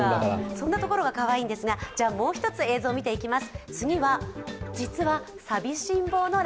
そんなところがかわいいんですが、もう一つ、映像を見ていきます。